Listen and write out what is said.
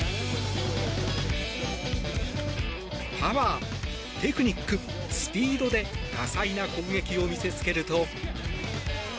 パワー、テクニック、スピードで多彩な攻撃を見せつけると。